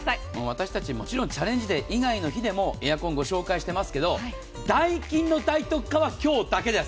私たちチャレンジデー以外の日でもエアコン、ご紹介してますけどダイキンの大特価は今日だけです。